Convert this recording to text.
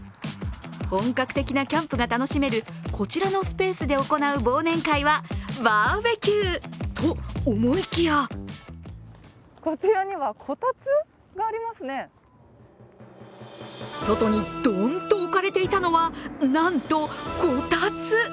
本格的なキャンプが楽しめるこちらのスペースで行う忘年会はバーベキューと思いきやこちらには、こたつがありますね外にドンと置かれていたのは、なんとこたつ。